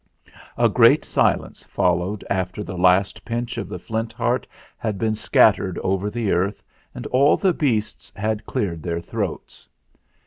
A great silence followed after the last pinch of the Flint Heart had been scattered over the earth and all the beasts had cleared their throats.